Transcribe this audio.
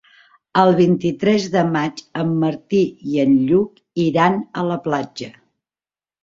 El vint-i-tres de maig en Martí i en Lluc iran a la platja.